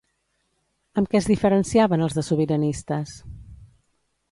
Amb què es diferenciaven els de Sobiranistes?